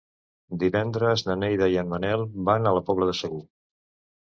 Divendres na Neida i en Manel van a la Pobla de Segur.